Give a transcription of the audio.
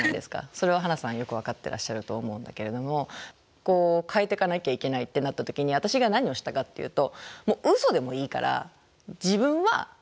それはハナさんよく分かってらっしゃると思うんだけれども変えていかなきゃいけないってなった時に私が何をしたかっていうとウソでもいいから自分はきれい。